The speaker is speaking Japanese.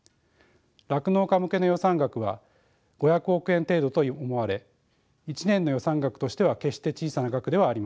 酪農家向けの予算額は５００億円程度と思われ１年の予算額としては決して小さな額ではありません。